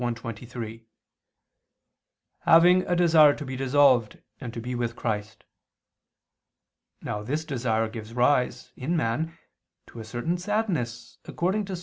1:23: "Having a desire to be dissolved and to be with Christ." Now this desire gives rise, in man, to a certain sadness, according to Ps.